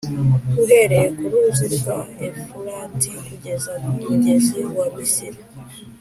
uhereye ku ruzi rwa Efurati kugeza ku mugezi wa Misiri.